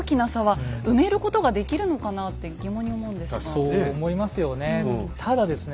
そう思いますよね。